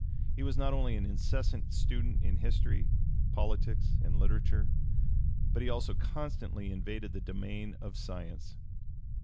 He was not only an incessant student in history, politics, and literature, but he also constantly invaded the domain of science.